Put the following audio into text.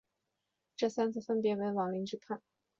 这三次分别为王凌之叛。